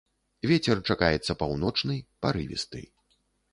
Вецер чакаецца паўночны, парывісты.